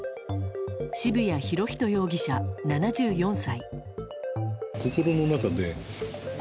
渋谷博仁容疑者、７４歳。